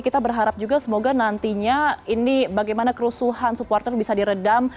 kita berharap juga semoga nantinya ini bagaimana kerusuhan supporter bisa diredam